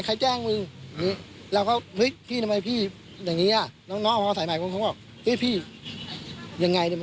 ใครแจ้งมึงเราก็เฮ้ยพี่ทำไมพี่อย่างงี้อ่ะ